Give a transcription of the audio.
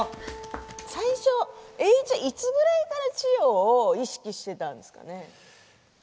最初、栄一はいつぐらいから千代を意識していたんですかね？